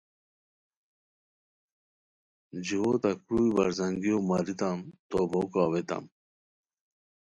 جوؤ تہ کروئی برزانگیو ماریتام، تو بوکو اویتام